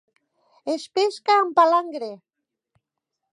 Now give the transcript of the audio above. Es pesca amb palangre.